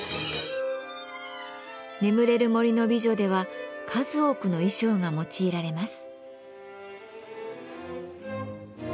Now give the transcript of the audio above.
「眠れる森の美女」では数多くの衣装が用いられます。